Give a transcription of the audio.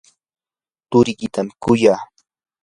turikitam kuyaa.